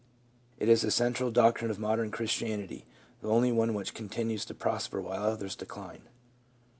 It is the central doctrine of modern Christianity, the only one which continues to pros per while the others decline.